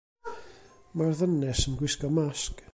Mae'r ddynes yn gwisgo masg.